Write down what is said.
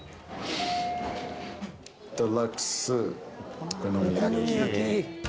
デラックスお好み焼き。